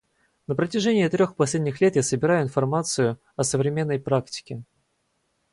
На протяжении трех последних лет я собираю информацию о современной практике.